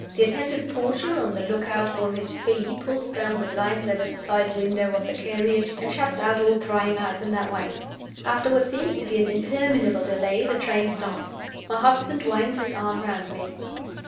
The attentive porter, on the look out for his fee pulls down the blinds over the side windows of the carriage, and shuts out all prying eyes in that way. After what seems to be an interminable delay the train starts. My husband winds his arm round me.